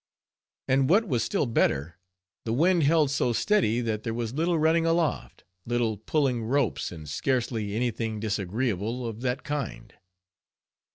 And what was still better, the wind held so steady, that there was little running aloft, little pulling ropes, and scarcely any thing disagreeable of that kind.